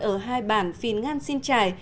ở hai bản phìn ngăn xin trải